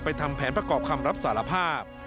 ทำแผนประกอบคำรับสารภาพ